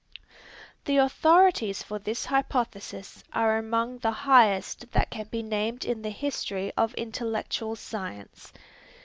The authorities for this hypothesis are among the highest that can be named in the history of intellectual science.